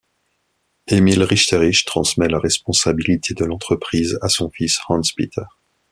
Emil Richterich transmet la responsabilité de l’entreprise à son fils Hans Peter.